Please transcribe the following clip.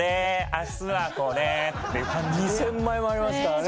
２０００枚もありますからね。